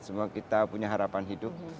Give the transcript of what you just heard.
semua kita punya harapan hidup